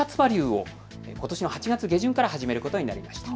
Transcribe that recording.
ＶＡＬＵＥをことしの８月下旬から始めることになりました。